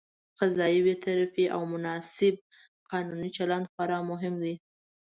قضايي بېطرفي او مناسب قانوني چلند خورا مهم دي.